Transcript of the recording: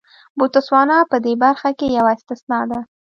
بوتسوانا په دې برخه کې یوه استثنا ده.